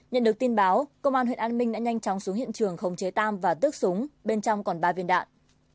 nhận được tin báo công an huyện an minh đã nhanh chóng xuống hiện trường khống chế tam và tước súng bên trong còn ba viên đạn